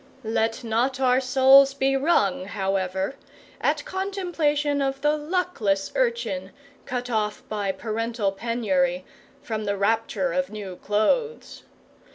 Let not our souls be wrung, however, at contemplation of the luckless urchin cut off by parental penury from the rapture of new clothes.